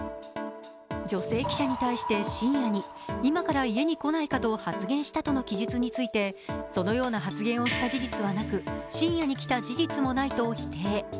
女性記者に対して深夜に、今から家に来ないかと発言したとの記述について、そのような発言をした事実はなく深夜に来た事実もないと否定。